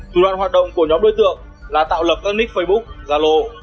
thủ đoạn hoạt động của nhóm đối tượng là tạo lập các nick facebook zalo